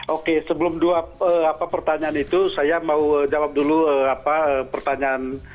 oke sebelum dua pertanyaan itu saya mau jawab dulu pertanyaan